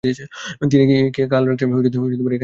তিনি কি কাল রাত্রে এখানে আসেন নাই?